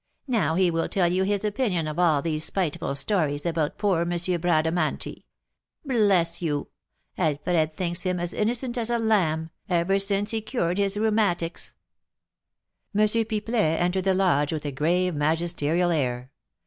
"Now he will tell you his opinion of all these spiteful stories about poor M. Bradamanti. Bless you! Alfred thinks him as innocent as a lamb, ever since he cured his rheumatics." M. Pipelet entered the lodge with a grave, magisterial air.